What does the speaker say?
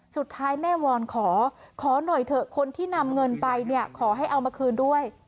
สุดท้ายแม่วอนขอขอหน่อยเถอะคนที่นำเงินไปเนี่ยขอให้เอามาคืนด้วย